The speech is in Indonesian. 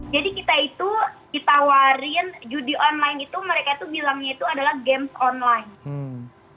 jadi kita itu ditawarin judi online itu mereka bilangnya itu adalah games online